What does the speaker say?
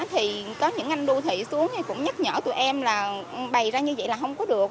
thì có những anh đô thị xuống cũng nhắc nhở tụi em là bày ra như vậy là không có được